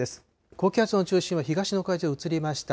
高気圧の中心は東の海上へ移りました。